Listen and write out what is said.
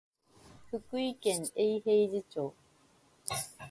福井県永平寺町